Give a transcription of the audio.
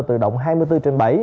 tự động hai mươi bốn trên bảy